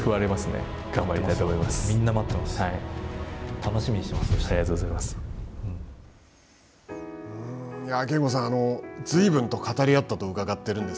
楽しみにしています。